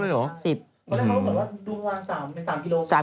แล้วเขาบอกว่าดูประมาณ๓กิโลกรัม